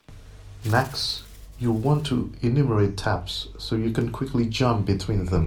Next, you'll want to enumerate tabs so you can quickly jump between them.